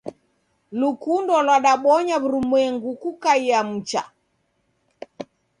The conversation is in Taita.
Lukundo lwadabonya w'urumwengu kukaiya mcha.